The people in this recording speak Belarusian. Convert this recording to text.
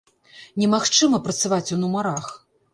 Немагчыма працаваць у нумарах!!!